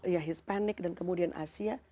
ya hispanic dan kemudian asia